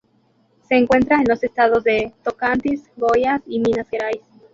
Se encuentra en los estados de Tocantins, Goiás y Minas Gerais.